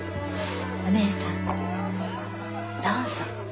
お義姉さんどうぞ。